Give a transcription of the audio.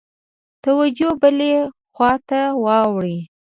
توجه بلي خواته واوړي.